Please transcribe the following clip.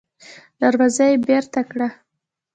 دروازه يې بېرته کړه.